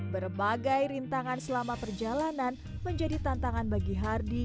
berbagai rintangan selama perjalanan menjadi tantangan bagi hardy